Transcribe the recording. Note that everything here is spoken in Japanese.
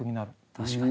確かに。